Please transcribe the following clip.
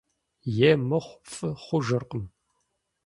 Е мыхъу фӀы хъужыркъым.